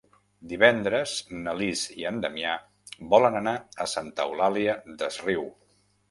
Divendres na Lis i en Damià volen anar a Santa Eulària des Riu.